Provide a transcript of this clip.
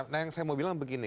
nah yang saya mau bilang begini